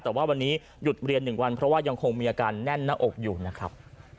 แต่ว่าวันนี้หยุดเรียน๑วันเพราะว่ายังคงมีอาการแน่นหน้าอกอยู่นะครับ